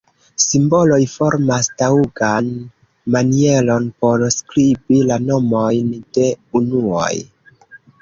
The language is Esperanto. Simboloj formas taŭgan manieron por skribi la nomojn de unuoj.